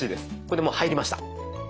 これでもう入りました。